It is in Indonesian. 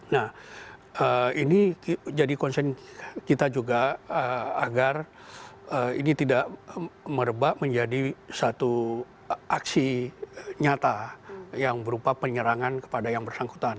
nah ini jadi konsen kita juga agar ini tidak merebak menjadi satu aksi nyata yang berupa penyerangan kepada yang bersangkutan